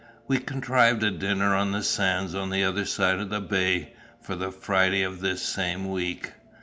We contrived a dinner on the sands on the other side of the bay, for the Friday of this same week.